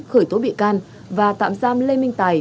khởi tố bị can và tạm giam lê minh tài